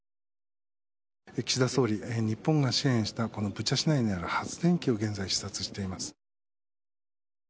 岸田総理、日本が支援したブチャ市内にある発電機を現在視察しています。